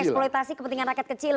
mengeksploitasi kepentingan rakyat kecil